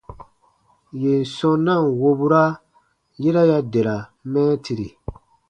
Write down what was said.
Yèn sɔ̃ na ǹ wobura, yera ya dera mɛɛtiri.